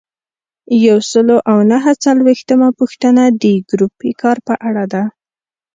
یو سل او نهه څلویښتمه پوښتنه د ګروپي کار په اړه ده.